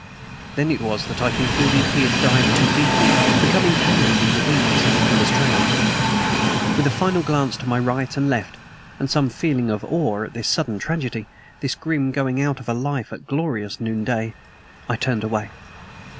Then it was that I concluded he had dived too deeply, become entangled in the weeds and was drowned. With a final glance to right and left and some feeling of awe at this sudden tragedy this grim going out of a life at glorious noonday I turned away.